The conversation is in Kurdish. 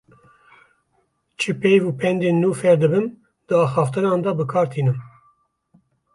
Çi peyv û pendên ku nû fêr dibim di axaftinan de bi kar tînim.